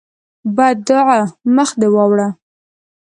بدعا: مخ دې واوړه!